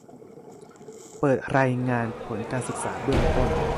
เปิดรายงานผลการศึกษาเบื้องต้น